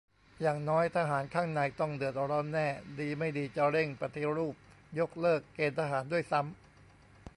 อย่างน้อยทหารข้างในต้องเดือดร้อนแน่ ดีไม่ดี จะเร่งปฏิรูปยกเลิกเกณฑ์ทหารด้วยซ้ำ